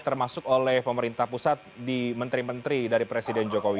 termasuk oleh pemerintah pusat di menteri menteri dari presiden jokowi